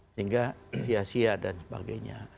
sehingga sia sia dan sebagainya